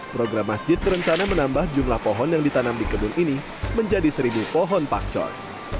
program masjid berencana menambah jumlah pohon yang ditanam di kebun ini menjadi seribu pohon pakcoy